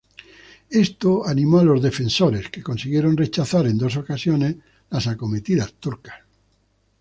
Esto animó a los defensores, que consiguieron rechazar en dos ocasiones las acometidas turcas.